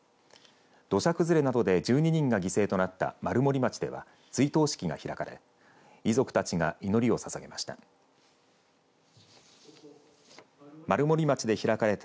土砂崩れなどで１２人が犠牲となった丸森町では追悼式が開かれ、遺族たちが祈りをささげました。